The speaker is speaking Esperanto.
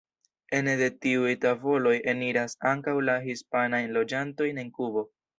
Ene de tiuj tavoloj eniras ankaŭ la hispanajn loĝantojn en Kubo.